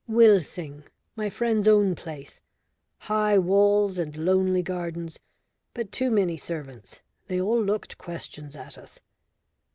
"Wilsing, my friend's own place. High walls, and lonely gardens, but too many servants they all looked questions at us.